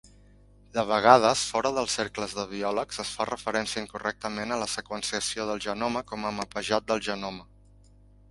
De vegades, fora dels cercles de biòlegs, es fa referència incorrectament a la seqüenciació del genoma com a "mapejat del genoma".